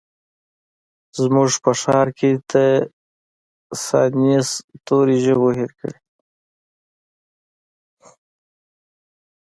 زموږ په ښارکې د تانیث توري ژبو هیر کړي